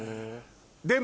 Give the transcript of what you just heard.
でも。